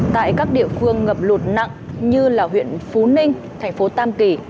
tại các địa phương ngập lụt nặng như là huyện phú ninh thành phố tam kỳ